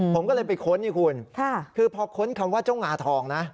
ผมก็เลยไปค้นนี่คุณคือพอค้นคำว่าเจ้างาทองนะ